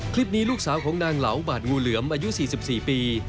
คลิปนี้ลูกสาวของนางเหลาบาดงูเหลือมอายุ๔๔ปี